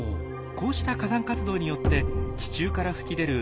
こうした火山活動によって地中から噴き出る